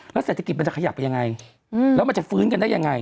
เศรษฐกิจมันจะขยับไปยังไงแล้วมันจะฟื้นกันได้ยังไง